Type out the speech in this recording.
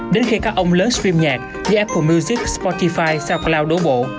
đến khi các ông lớn stream nhạc với apple music spotify sau cloud đổ bộ